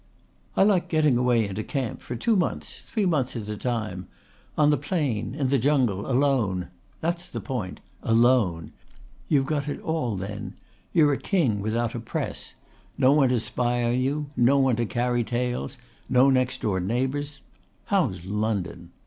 "I like getting away into camp for two months, three months at a time on the plain, in the jungle, alone. That's the point alone. You've got it all then. You're a king without a Press. No one to spy on you no one to carry tales no next door neighbours. How's London?"